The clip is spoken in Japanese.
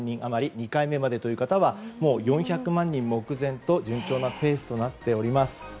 ２回目までという方はもう４００万人目前と順調なペースとなっております。